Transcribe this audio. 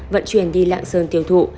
vận chuyển đi lạng sơn tiêu thụ